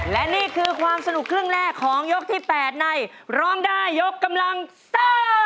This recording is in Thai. และนี่คือความสนุกครึ่งแรกของยกที่๘ในร้องได้ยกกำลังซ่า